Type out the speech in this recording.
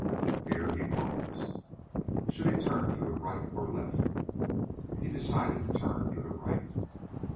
Here he paused. Should he turn to the right or left? He decided to turn to the right.